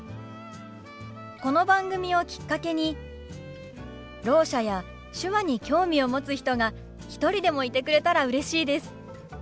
この番組をきっかけにろう者や手話に興味を持つ人が一人でもいてくれたらうれしいです。